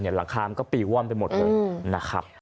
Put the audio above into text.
หลังคามันก็ปิวว่อมไปหมดเลยนะครับ